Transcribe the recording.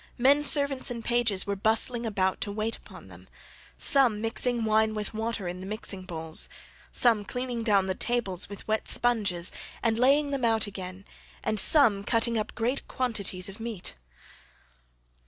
Men servants and pages were bustling about to wait upon them, some mixing wine with water in the mixing bowls, some cleaning down the tables with wet sponges and laying them out again, and some cutting up great quantities of meat.